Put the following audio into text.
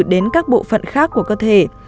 đến các bộ phận khác của cơ thể